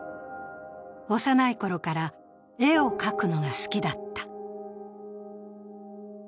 幼いころから絵を描くのが好きだった。